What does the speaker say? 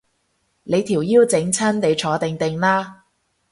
你條腰整親，你坐定定啦